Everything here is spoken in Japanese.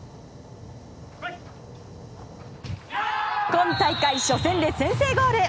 今大会初戦で先制ゴール！